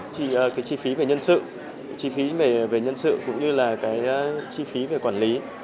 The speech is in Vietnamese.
thì cái chi phí về nhân sự chi phí về nhân sự cũng như là cái chi phí về quản lý